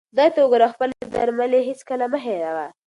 خدای ته وګوره او خپلې درملې هیڅکله مه هېروه.